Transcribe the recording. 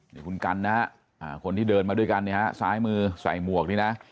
นี่คุณกันนะฮะคนที่เดินมาด้วยกันเนี่ยฮะซ้ายมือใส่หมวกนี่นะ